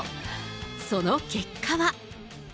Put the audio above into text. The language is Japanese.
その結果は。